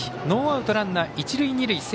ノーアウトランナー、一塁二塁。